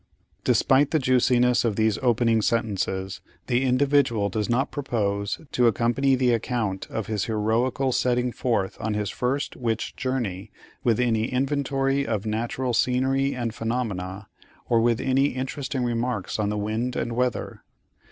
Despite the juiciness of these opening sentences, the "Individual" does not propose to accompany the account of his heroical setting forth on his first witch journey with any inventory of natural scenery and phenomena, or with any interesting remarks on the wind and weather.